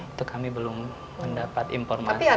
itu kami belum mendapat informasi